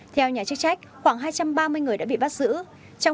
theo nhà chức trách khoảng hai trăm ba mươi người đã bị bắt giữ